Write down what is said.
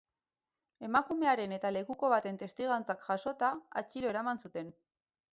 Emakumearen eta lekuko baten testigantzak jasota, atxilo eraman zuten.